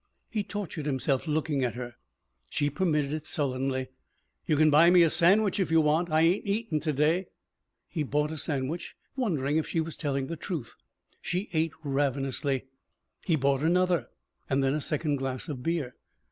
He tortured himself looking at her. She permitted it sullenly. "You can buy me a sandwich, if you want. I ain't eaten to day." He bought a sandwich, wondering if she was telling the truth. She ate ravenously. He bought another and then a second glass of beer.